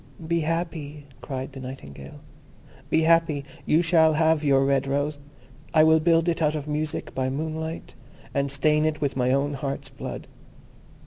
"Be happy," cried the Nightingale, "be happy; you shall have your red rose. I will build it out of music by moonlight, and stain it with my own heart's blood.